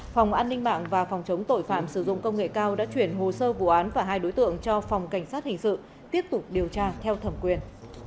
phòng an ninh mạng và phòng chống tội phạm sử dụng công nghệ cao đã chuyển hồ sơ vụ án và hai đối tượng cho phòng cảnh sát hình sự tiếp tục điều tra theo thẩm quyền